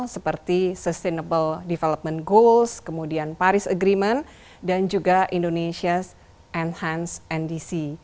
seperti sustainable development goals kemudian paris agreement dan juga indonesias ⁇ enhanced ndc